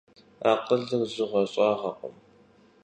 Akhılır jığe - ş'ağekhım.